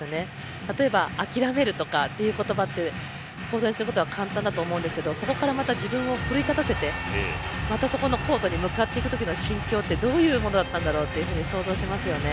例えば、諦めるとかっていう言葉って簡単だと思うんですけどそこからまた自分を奮い立たせてまたそこのコートに向かっていく時の心境ってどういうものだったんだろうというふうに想像しますよね。